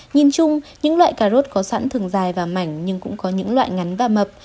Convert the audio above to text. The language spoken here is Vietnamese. nhìn chung những loại cà rốt có sẵn thường dài và mảnh nhưng cũng có những loại ngắn và mập